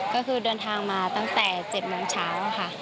ก็คือเดินทางมาตั้งแต่๗โมงเช้าค่ะ